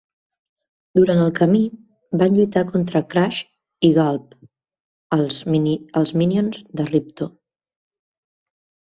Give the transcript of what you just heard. Durant el camí, van lluitar contra Crush i Gulp, els minions de Ripto.